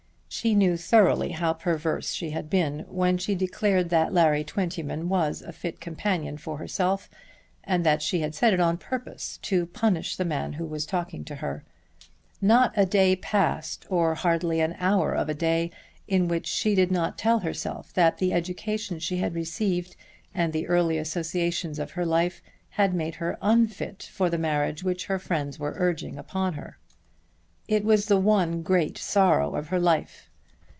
She knew thoroughly how perverse she had been when she declared that Larry Twentyman was a fit companion for herself, and that she had said it on purpose to punish the man who was talking to her. Not a day passed, or hardly an hour of a day, in which she did not tell herself that the education she had received and the early associations of her life had made her unfit for the marriage which her friends were urging upon her. It was the one great sorrow of her life.